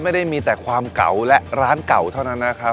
ไม่ได้มีแต่ความเก่าและร้านเก่าเท่านั้นนะครับ